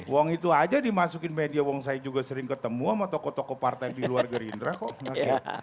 uang itu aja dimasukin media uang saya juga sering ketemu sama tokoh tokoh partai di luar gerindra kok